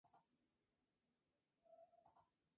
Se extiende desde las Avenidas hasta la Plaza París.